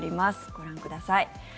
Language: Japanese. ご覧ください。